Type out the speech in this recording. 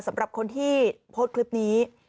สำหรับคนที่โพสต์คลิปนี้